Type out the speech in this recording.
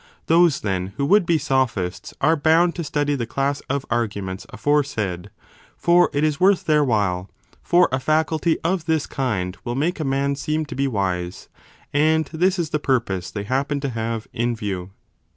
Those, then, who would be sophists are bound to study the class of arguments aforesaid : for it is worth their while : 30 for a faculty of this kind will make a man seem to be wise, and this is the purpose they happen to have in view.